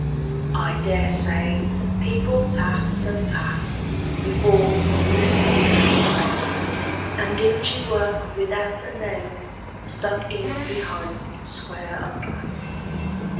I dare say people pass and pass Before the blistered little frame, And dingy work without a name Stuck in behind its square of glass.